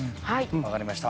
分かりました。